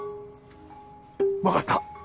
分かった。